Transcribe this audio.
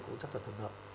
cũng chắc thật thường hợp